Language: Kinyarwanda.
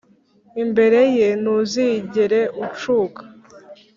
Imbere ye ntuzigere ucuka